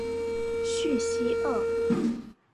叙西厄。